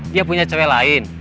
dia punya cewek lain